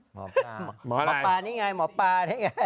เหมาะปานี่ไงเหมาะปานี่ไง